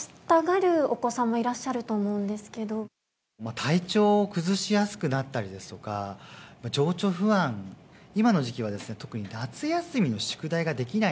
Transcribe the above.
体調を崩しやすくなったりですとか情緒不安、今の時期は特に夏休みの宿題ができない。